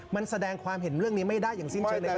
มันแสดงความเห็นเรื่องนี้ไม่ได้อย่างสิ้นเจอในประเทศนี้